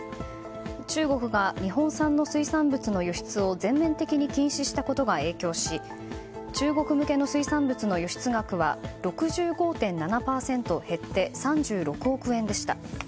中国が日本産の水産物の輸出を全面的に禁止したことが影響し中国向けの水産物の輸出額は６５．７％減って３６億円でした。